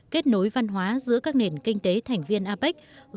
kết nối văn hóa giữa các nền kinh tế thành viên apec